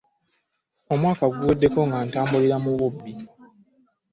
Omwaka guweddeko nga ntambulira mu bubbi.